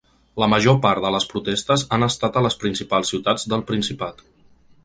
La major part de les protestes han estat a les principals ciutats del Principat.